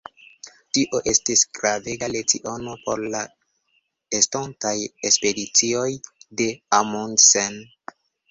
Tio estis gravega leciono por la estontaj ekspedicioj de Amundsen.